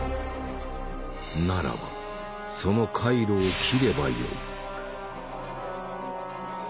ならばその回路を切ればよい。